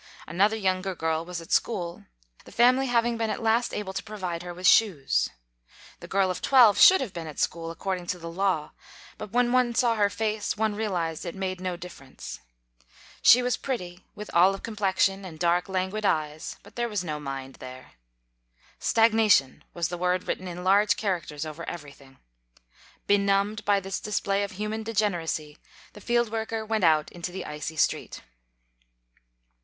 Another younger girl was at school, the family having been at last able to provide her with shoes. The girl of twelve FACTS ABOUT THE KALLIKAK FAMILY 73 should have been at school, according to the law, but when one saw her face, one realized it made no differ ence. She was pretty, with olive complexion and dark, languid eyes, but there was no mind there. Stagna tion was the word written in large characters over everything. Benumbed by this display of human degeneracy, the field worker went out into the icy street.